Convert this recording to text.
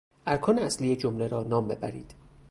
ارکان اصلی جمله را نام ببرید.